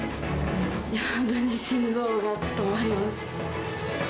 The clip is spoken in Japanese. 本当に心臓が止まりましたね。